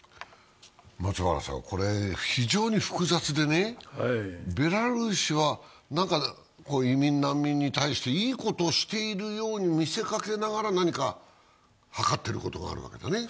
これは非常に複雑で、ベラルーシは移民・難民に対していいことをしているように見せかけながら何かはかっていることがあるわけだね。